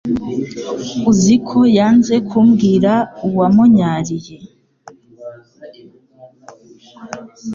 Uziko yanze kumbwira uwa munyariye